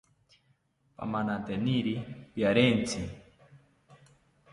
Pamananteniri pariantzi